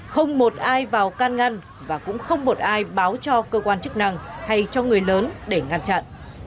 không một ai vào can ngăn và cũng không một ai báo cho cơ quan chức năng hay cho người lớn để ngăn chặn